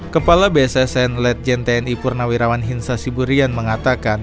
kepala bssn legend tni purnawirawan hinsa siburian mengatakan